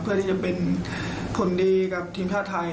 เพื่อที่จะเป็นคนดีกับทีมชาติไทย